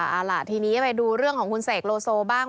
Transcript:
เอาล่ะทีนี้ไปดูเรื่องของคุณเสกโลโซบ้าง